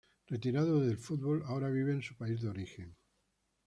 Retirado del fútbol, ahora vive en su país de origen.